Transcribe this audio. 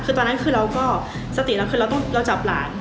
คือตอนนั้นคือเราก็สติเราต้องจับหลาน